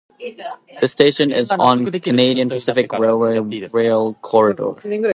This station is on a Canadian Pacific Railway rail corridor.